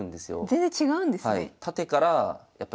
全然違うんですね。